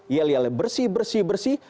yel yel bersih bersih bersih